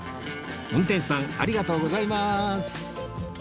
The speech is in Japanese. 運転士さんありがとうございます